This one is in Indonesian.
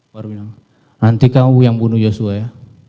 baru bilang nanti kamu yang bunuh joshua ya